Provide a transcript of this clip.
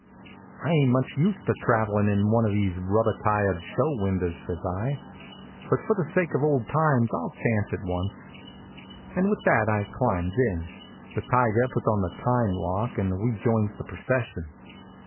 "I ain't much used to traveling in one of these rubber tired show windows," says I; "but for the sake of old times I'll chance it once," and with that I climbs in; the tiger puts on the time lock, and we joins the procession.